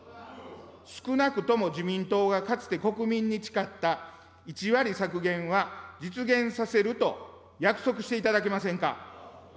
少なくとも、自民党がかつて国民に誓った１割削減は実現させると約束していただけませんか。